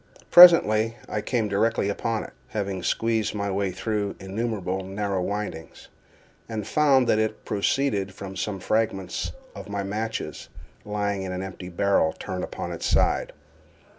Presently I came directly upon it (having squeezed my way through innumerable narrow windings), and found that it proceeded from some fragments of my matches lying in an empty barrel turned upon its side.